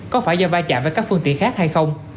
có phải do vai trạm với các phương tiện khác hay không